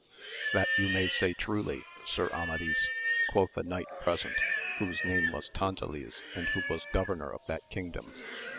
That you may say truly. Sir Amadis, quoth a knight present, whose name was Tantiles, and who was governor of that kingdom.